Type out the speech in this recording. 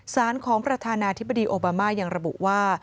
สารของประธานาธิบดีโอบามายังระบุว่า